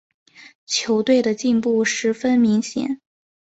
球队的进步十分明显。